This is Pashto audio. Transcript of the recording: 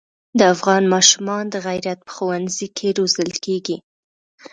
د افغان ماشومان د غیرت په ښونځي کې روزل کېږي.